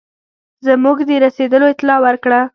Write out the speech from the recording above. زموږ د رسېدلو اطلاع ورکړه.